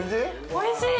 おいしい。